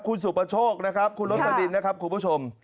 คุณสุประโชคนะครับคุณโรสลินนะครับคุณผู้ชม